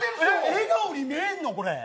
笑顔に見えるの、これ。